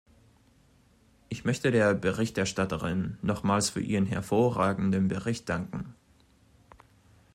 Ich möchte der Berichterstatterin nochmals für ihren hervorragenden Bericht danken.